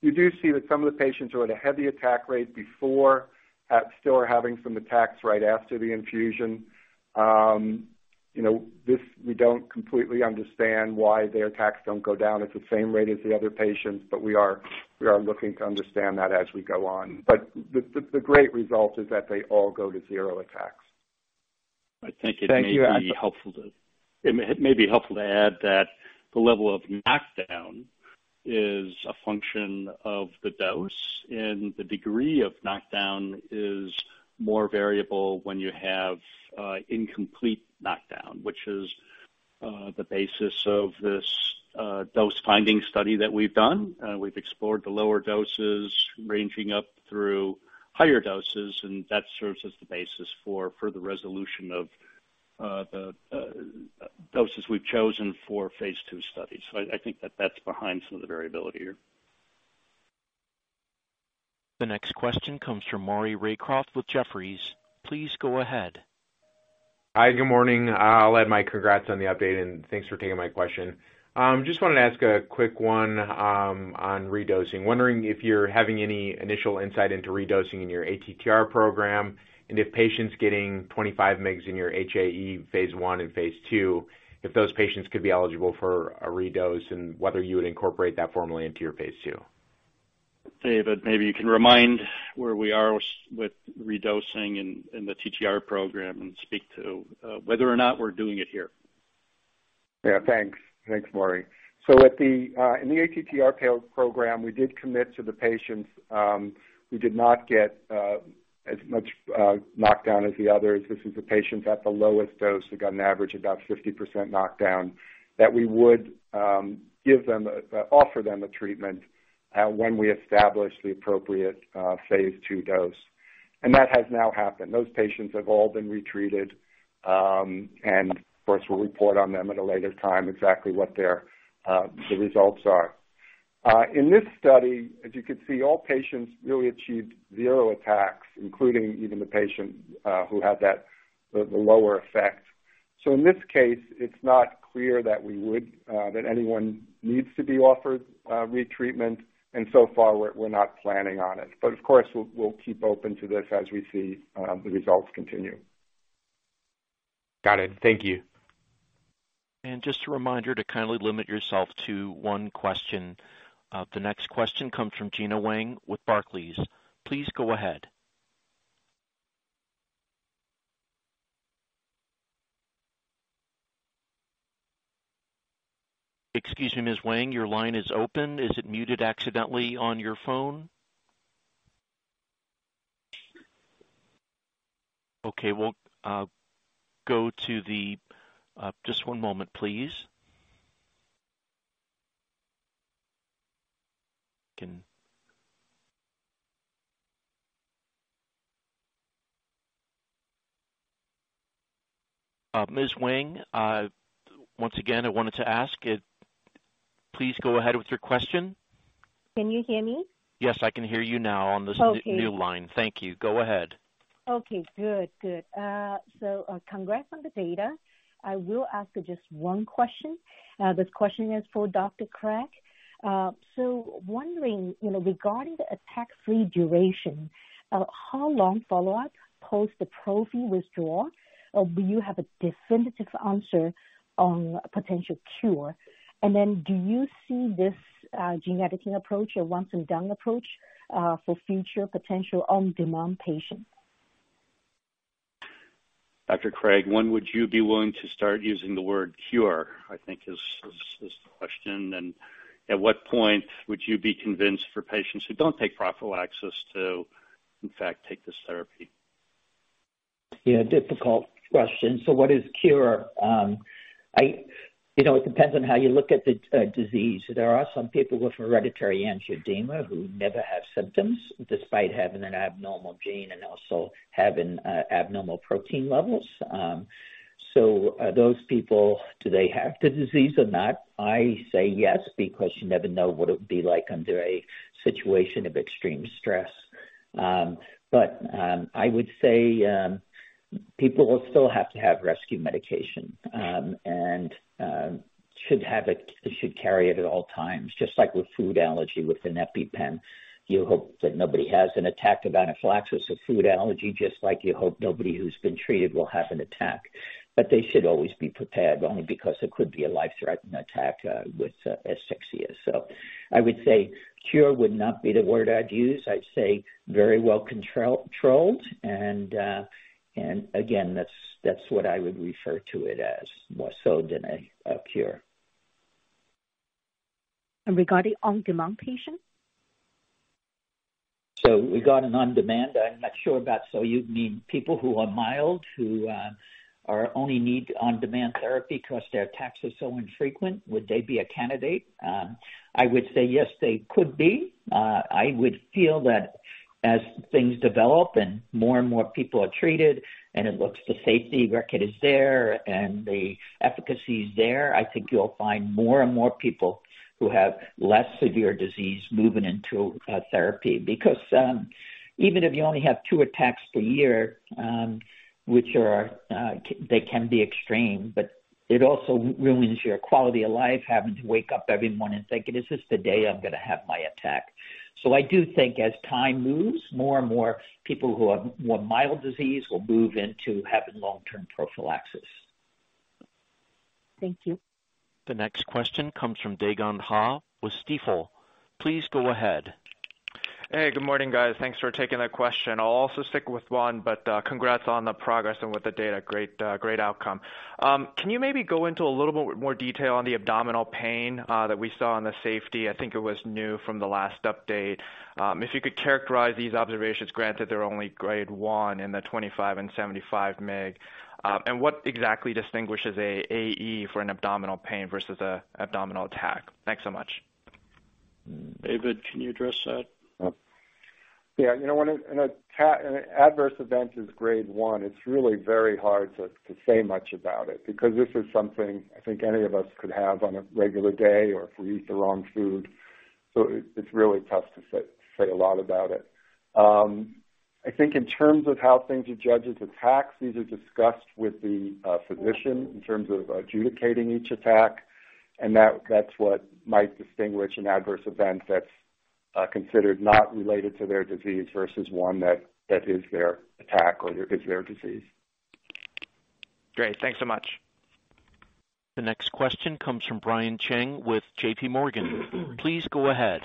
You do see that some of the patients who had a heavy attack rate before still are having some attacks right after the infusion. You know, this, we don't completely understand why their attacks don't go down at the same rate as the other patients, but we are looking to understand that as we go on. The great result is that they all go to zero attacks. I think it may be helpful to. Thank you. It may be helpful to add that the level of knockdown is a function of the dose, and the degree of knockdown is more variable when you have incomplete knockdown, which is the basis of this dose-finding study that we've done. We've explored the lower doses ranging up through higher doses, and that serves as the basis for further resolution of the doses we've chosen for phase II studies. I think that that's behind some of the variability here. The next question comes from Maury Raycroft with Jefferies. Please go ahead. Hi, good morning. I'll add my congrats on the update. Thanks for taking my question. Just wanted to ask a quick one, on redosing. Wondering if you're having any initial insight into redosing in your ATTR program, and if patients getting 25 mgs in your HAE phase I and phase II, if those patients could be eligible for a redose, and whether you would incorporate that formally into your phase II? David, maybe you can remind where we are with redosing in the TTR program and speak to whether or not we're doing it here? Yeah, thanks. Thanks, Maury. At the in the ATTR program, we did commit to the patients who did not get as much knockdown as the others. This is the patients at the lowest dose, who got an average about 50% knockdown, that we would offer them a treatment when we establish the appropriate phase II dose. That has now happened. Those patients have all been retreated, and of course, we'll report on them at a later time, exactly what their results are. In this study, as you can see, all patients really achieved zero attacks, including even the patient who had that lower effect. In this case, it's not clear that we would that anyone needs to be offered retreatment, and so far we're not planning on it. Of course, we'll keep open to this as we see the results continue. Got it. Thank you. Just a reminder to kindly limit yourself to one question. The next question comes from Gena Wang with Barclays. Please go ahead. Excuse me, Ms. Wang, your line is open. Is it muted accidentally on your phone? We'll go to the... Just one moment, please. Ms. Wang, once again, I wanted to ask please go ahead with your question. Can you hear me? Yes, I can hear you now on this. Okay. new line. Thank you. Go ahead. Okay, good. Good. Congrats on the data. I will ask just one question. This question is for Dr. Craig. Wondering, you know, regarding the attack-free duration, how long follow-up post the prophy withdraw, do you have a definitive answer on potential cure? Do you see this gene editing approach, a once-and-done approach, for future potential on-demand patients? Dr. Craig, when would you be willing to start using the word cure, I think is the question? At what point would you be convinced for patients who don't take prophylaxis to, in fact, take this therapy? Yeah, difficult question. What is cure? You know, it depends on how you look at the disease. There are some people with hereditary angioedema who never have symptoms, despite having an abnormal gene and also having abnormal protein levels. Those people, do they have the disease or not? I say yes, because you never know what it would be like under a situation of extreme stress. I would say people will still have to have rescue medication, and should have it, should carry it at all times, just like with food allergy, with an EpiPen. You hope that nobody has an attack of anaphylaxis or food allergy, just like you hope nobody who's been treated will have an attack. They should always be prepared, only because it could be a life-threatening attack with asphyxia. I would say cure would not be the word I'd use. I'd say very well controlled, and again, that's what I would refer to it as, more so than a cure. Regarding on-demand patients? Regarding on-demand, I'm not sure about. You mean people who are mild, who are only need on-demand therapy because their attacks are so infrequent, would they be a candidate? I would say yes, they could be. I would feel that as things develop and more and more people are treated, and it looks the safety record is there and the efficacy is there, I think you'll find more and more people who have less severe disease moving into therapy. Even if you only have two attacks per year, they can be extreme, but it also ruins your quality of life, having to wake up every morning and thinking, "Is this the day I'm gonna have my attack?" I do think as time moves, more and more people who have more mild disease will move into having long-term prophylaxis. Thank you. The next question comes from Dae Gon Ha with Stifel. Please go ahead. Hey, good morning, guys. Thanks for taking the question. I'll also stick with one, but congrats on the progress and with the data. Great, great outcome. Can you maybe go into a little bit more detail on the abdominal pain that we saw on the safety? I think it was new from the last update. If you could characterize these observations, granted, they're only grade one in the 25 and 75 mg. What exactly distinguishes a AE for an abdominal pain versus a abdominal attack? Thanks so much. David, can you address that? You know, when an adverse event is grade one, it's really very hard to say much about it because this is something I think any of us could have on a regular day or if we eat the wrong food. It's really tough to say a lot about it. I think in terms of how things are judged as attacks, these are discussed with the physician in terms of adjudicating each attack, and that's what might distinguish an adverse event that's considered not related to their disease versus one that is their attack or is their disease. Great. Thanks so much. The next question comes from Brian Cheng with JPMorgan. Please go ahead.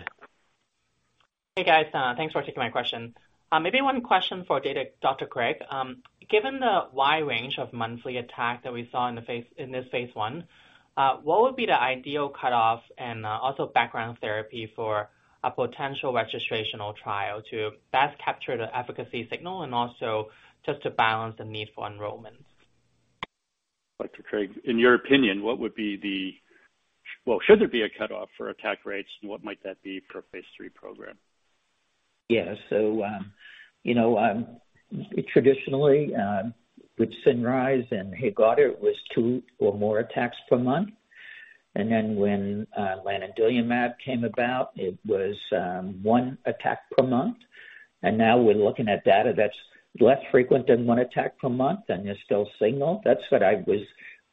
Hey, guys. Thanks for taking my question. Maybe one question for David, Dr. Craig. Given the wide range of monthly attack that we saw in this phase I, what would be the ideal cutoff and also background therapy for a potential registrational trial to best capture the efficacy signal and also just to balance the need for enrollment? Dr. Craig, in your opinion, Well, should there be a cutoff for attack rates, and what might that be for a phase 3 program? Yeah. you know, traditionally, with Cinryze and HAEGARDA, it was two or more attacks per month. When lanadelumab came about, it was one attack per month. Now we're looking at data that's less frequent than one attack per month, and there's still signal. That's what I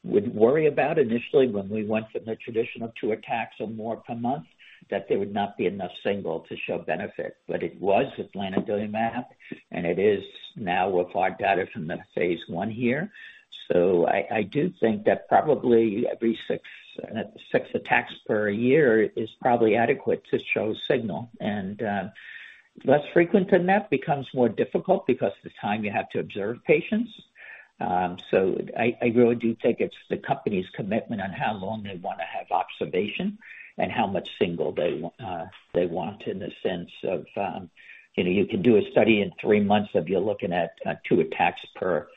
would worry about initially when we went from the traditional two attacks or more per month, that there would not be enough signal to show benefit. It was with lanadelumab, and it is now with our data from the phase I here. I do think that probably every six attacks per year is probably adequate to show signal. Less frequent than that becomes more difficult because the time you have to observe patients. I really do think it's the company's commitment on how long they want to have observation and how much signal they want in the sense of, you know, you can do a study in three months if you're looking at, two attacks per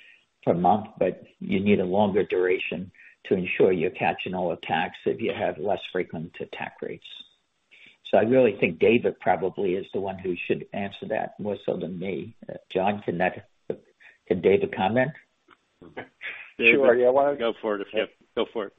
month, but you need a longer duration to ensure you're catching all attacks if you have less frequent attack rates. I really think David probably is the one who should answer that more so than me. John, Can David comment? Sure. You want to. Go for it. Yeah, go for it.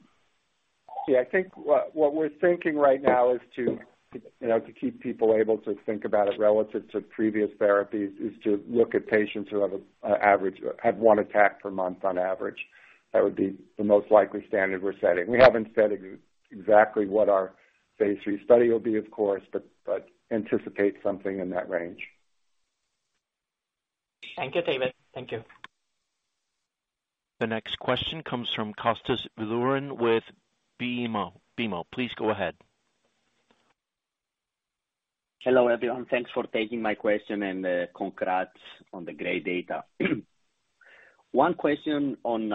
Yeah, I think what we're thinking right now is to, you know, to keep people able to think about it relative to previous therapies, is to look at patients who have an average, have one attack per month on average. That would be the most likely standard we're setting. We haven't said exactly what our phase three study will be, of course, but anticipate something in that range. Thank you, David. Thank you. The next question comes from Kostas Biliouris with BMO. BMO, please go ahead. Hello, everyone. Thanks for taking my question and congrats on the great data. One question on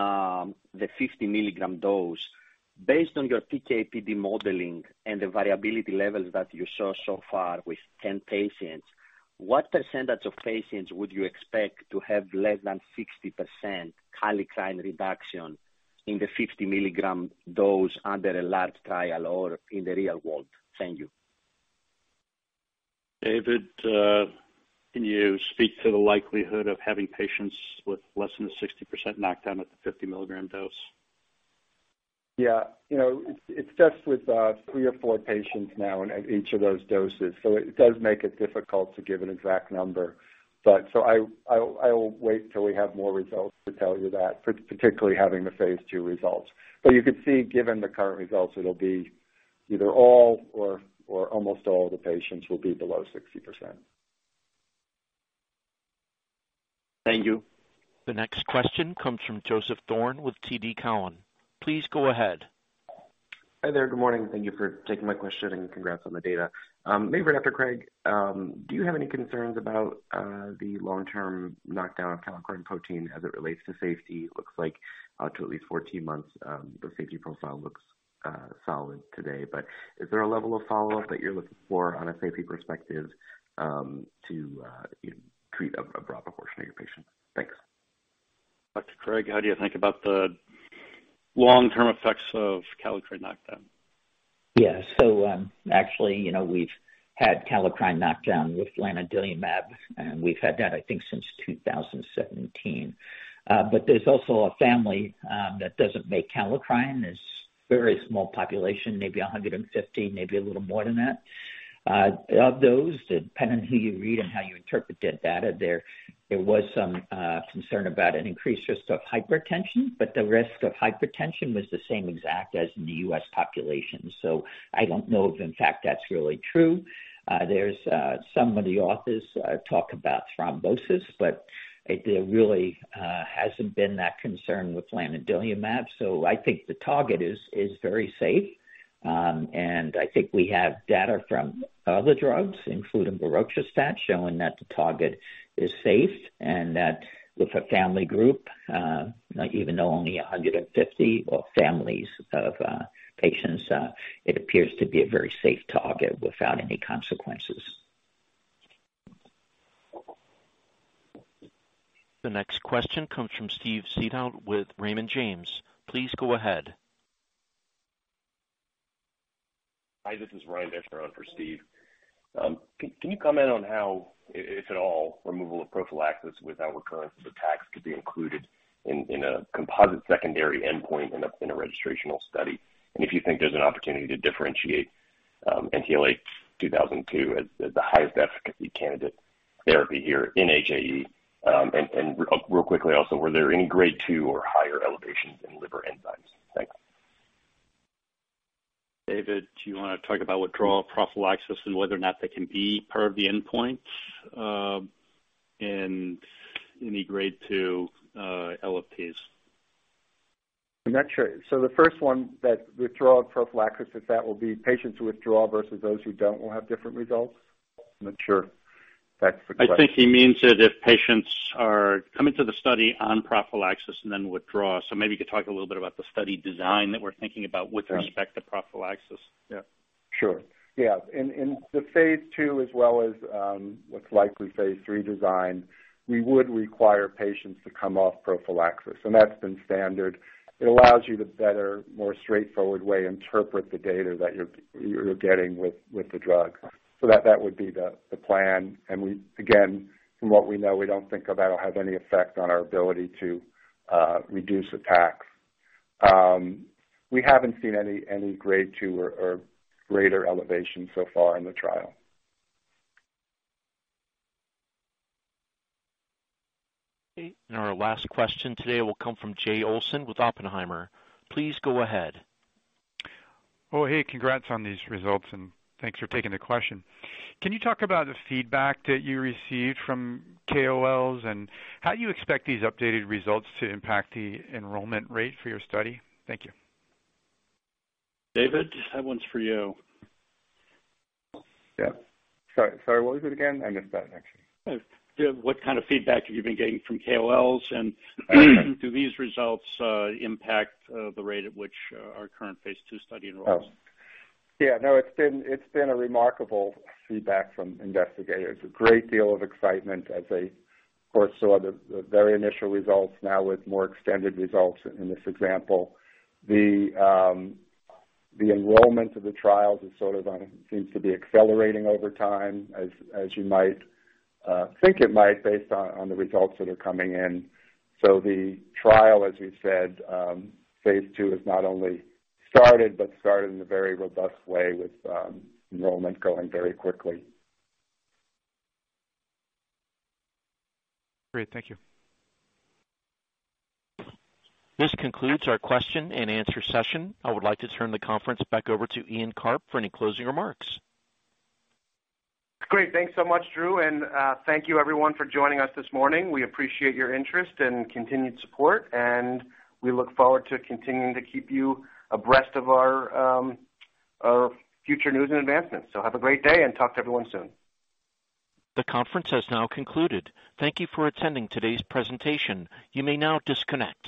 the 50-milligram dose: Based on your PK/PD modeling and the variability levels that you saw so far with 10 patients, what percentage of patients would you expect to have less than 60% kallikrein reduction in the 50-milligram dose under a large trial or in the real world? Thank you. David, can you speak to the likelihood of having patients with less than a 60% knockdown at the 50-milligram dose? Yeah. You know, it's just with three or four patients now at each of those doses. It does make it difficult to give an exact number. I will wait until we have more results to tell you that, for particularly having the phase II results. You can see, given the current results, it'll be either all or almost all the patients will be below 60%. Thank you. The next question comes from Joseph Thome with TD Cowen. Please go ahead. Hi there. Good morning. Thank you for taking my question and congrats on the data. Maybe right after Craig, do you have any concerns about the long-term knockdown of kallikrein protein as it relates to safety? It looks like to at least 14 months, the safety profile looks solid today. Is there a level of follow-up that you're looking for on a safety perspective to treat a broad proportion of your patients? Thanks. Dr. Craig, how do you think about the long-term effects of kallikrein knockdown? Yeah. Actually, you know, we've had kallikrein knockdown with lanadelumab, and we've had that, I think, since 2017. There's also a family that doesn't make kallikrein. It's a very small population, maybe 150, maybe a little more than that. Of those, depending on who you read and how you interpret the data, there was some concern about an increased risk of hypertension, but the risk of hypertension was the same exact as in the U.S. population. I don't know if, in fact, that's really true. There's some of the authors talk about thrombosis, but there really hasn't been that concern with lanadelumab. I think the target is very safe. I think we have data from other drugs, including berotralstat, showing that the target is safe and that with a family group, even though only 150 or families of patients, it appears to be a very safe target without any consequences. The next question comes from Steve Seedhouse with Raymond James. Please go ahead. Hi, this is Ryan Deschner on for Steve. Can you comment on how, if at all, removal of prophylaxis without recurrence of attacks could be included in a composite secondary endpoint in a registrational study? If you think there's an opportunity to differentiate, NTLA-2002 as the highest efficacy candidate therapy here in HAE. Real quickly also, were there any grade two or higher elevations in liver enzymes? Thanks. David, do you want to talk about withdrawal of prophylaxis and whether or not that can be part of the endpoint, and any grade two, LFTs? I'm not sure. The first one that withdrawal of prophylaxis, if that will be patients who withdraw versus those who don't, will have different results? I'm not sure. I think he means that if patients are coming to the study on prophylaxis and then withdraw. Maybe you could talk a little bit about the study design that we're thinking about with respect to prophylaxis? Yeah, sure. Yeah. In the phase II, as well as, what's likely phase III design, we would require patients to come off prophylaxis, and that's been standard. It allows you to better, more straightforward way, interpret the data that you're getting with the drug. That would be the plan. Again, from what we know, we don't think of that'll have any effect on our ability to reduce attacks. We haven't seen any grade two or greater elevation so far in the trial. Our last question today will come from Jay Olson with Oppenheimer. Please go ahead. Oh, hey, congrats on these results, and thanks for taking the question. Can you talk about the feedback that you received from KOLs, and how do you expect these updated results to impact the enrollment rate for your study? Thank you. David, that one's for you. Yeah. Sorry, what was it again? I missed that actually. What kind of feedback have you been getting from KOLs, and do these results impact the rate at which our current phase II study enrolls? Oh, yeah. No, it's been a remarkable feedback from investigators. A great deal of excitement as they, of course, saw the very initial results now with more extended results in this example. The enrollment of the trials is sort of on, seems to be accelerating over time, as you might think it might be based on the results that are coming in. The trial, as you said, phase II has not only started, but started in a very robust way with enrollment going very quickly. Great. Thank you. This concludes our question and answer session. I would like to turn the conference back over to Ian Karp for any closing remarks. Great. Thanks so much, Drew. Thank you everyone for joining us this morning. We appreciate your interest and continued support. We look forward to continuing to keep you abreast of our future news and advancements. Have a great day and talk to everyone soon. The conference has now concluded. Thank you for attending today's presentation. You may now disconnect.